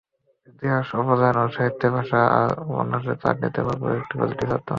ইতিহাসের উপাদান, সাহিত্যের ভাষা আর উপন্যাসের চাটনিতে ভরপুর এর প্রতিটি ছত্র।